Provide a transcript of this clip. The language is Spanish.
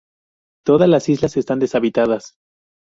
Todas las islas están deshabitadas.